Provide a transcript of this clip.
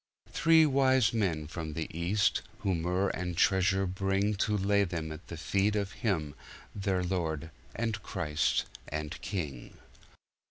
Three wise men from the east who myrrh and treasure bringTo lay them at the feet of him their Lord and Christ and King.